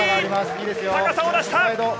高さを出した！